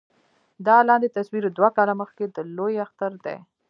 دا لاندې تصوير دوه کاله مخکښې د لوئے اختر دے